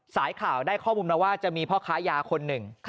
สายข่าวได้ข้อมูลมาว่าจะมีพ่อค้ายาคนหนึ่ง